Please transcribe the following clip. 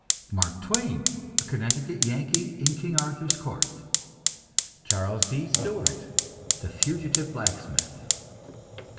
Mark Twain: A Connecticut Yankee in King Arthur's Court. Charles D. Stewart: The Fugitive Blacksmith.